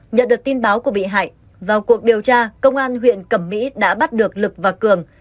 nhận được tin báo của bị hại vào cuộc điều tra công an huyện cẩm mỹ đã bắt được lực và cường